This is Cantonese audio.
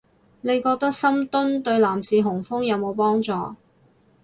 你覺得深蹲對男士雄風有冇幫助